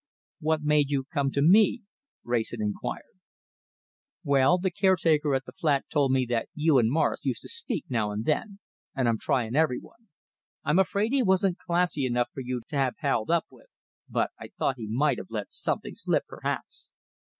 "What made you come to me?" Wrayson inquired. "Well, the caretaker at the flat told me that you and Morris used to speak now and then, and I'm trying every one. I'm afraid he wasn't quite classy enough for you to have palled up with, but I thought he might have let something slip perhaps."